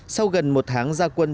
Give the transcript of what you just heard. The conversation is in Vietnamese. sau gần một tháng gia quân